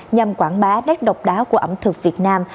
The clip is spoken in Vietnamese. nhằm quảng bá nét độc đáo của ẩm thực việt nam